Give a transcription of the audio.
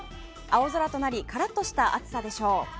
青空となりカラッとした暑さでしょう。